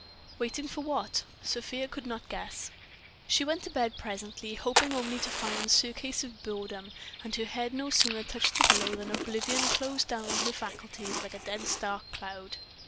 Waiting for what? Sofia could not guess.... She went to bed presently, hoping only to find surcease of boredom; and her head no sooner touched the pillow than oblivion closed down upon her faculties like a dense, dark cloud.